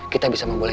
kita bisa memulai